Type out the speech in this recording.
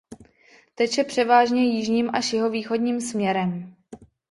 Teče převážně jižním až jihovýchodním směrem.